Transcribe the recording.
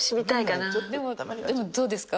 でもどうですか？